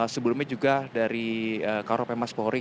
sebelumnya juga dari karopemas polri